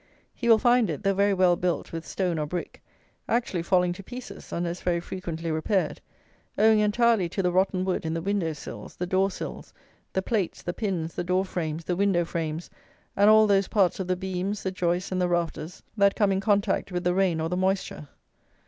He will find it, though very well built with stone or brick, actually falling to pieces, unless very frequently repaired, owing entirely to the rotten wood in the window sills, the door sills, the plates, the pins, the door frames, the window frames, and all those parts of the beams, the joists, and the rafters, that come in contact with the rain or the moisture.